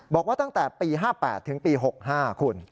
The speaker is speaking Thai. บอกว่าตั้งแต่ปี๕๘ถึงปี๖๕คุณ